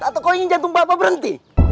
atau kau ingin jantung bapak berhenti